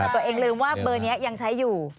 ตัวเองลืมว่าเบอร์นี้ยังใช้อยู่